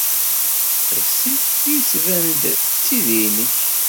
Qiss-it. Yettban-d d tiddi-nnek.